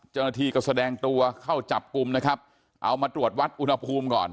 เจ้าหน้าที่ก็แสดงตัวเข้าจับกลุ่มนะครับเอามาตรวจวัดอุณหภูมิก่อน